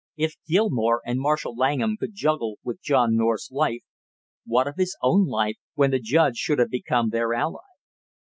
If Gilmore and Marshall Langham could juggle with John North's life, what of his own life when the judge should have become their ally!